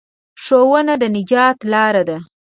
ښوونه د نجات لاره ده.